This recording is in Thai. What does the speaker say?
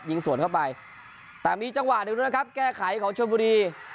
ยิงสวนเข้าไปแต่มีจังหวะหนึ่งนะครับแก้ไขของชนบุรี